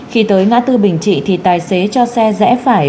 khi tới ngã tư bình trị thì tài xế cho xe rẽ phải